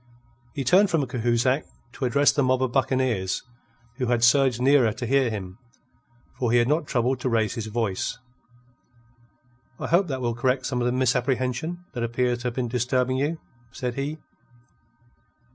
He turned from Cahusac to address the mob of buccaneers, who had surged nearer to hear him, for he had not troubled to raise his voice. "I hope that will correct some of the misapprehension that appears to have been disturbing you," said he.